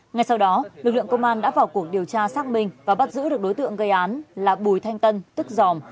ngay sau đó lực lượng công an đã vào cuộc điều tra xác minh và bắt giữ được đối tượng gây án là bùi thanh tân tức giòm